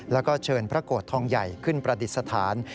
แล้วก็เชิญพระโกรธทองใหญ่ขึ้นประดิษฐาน